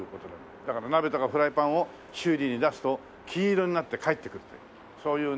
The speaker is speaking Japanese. だから鍋とかフライパンを修理に出すと金色になって返ってくるというそういうね